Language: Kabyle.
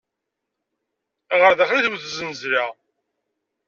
Ɣer daxel i tewwet znezla.